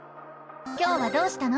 今日はどうしたの？